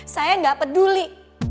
saya gak peduli